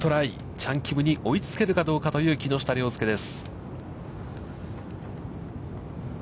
チャン・キムに追いつけるかどうかという木下稜介です。